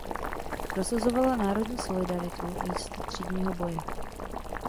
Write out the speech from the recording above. Prosazovala národní solidaritu místo třídního boje.